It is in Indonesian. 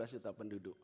sebelas juta penduduk